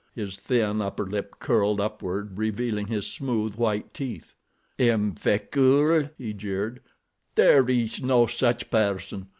His thin, upper lip curled upward, revealing his smooth, white teeth. "M. Frecoult?" he jeered. "There is no such person.